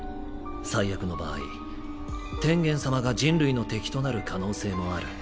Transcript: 最悪の場合天元様が人類の敵となる可能性もある。